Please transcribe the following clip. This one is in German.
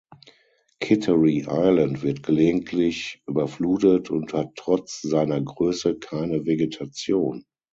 Kittery Island wird gelegentlich überflutet und hat trotz seiner Größe keine Vegetation.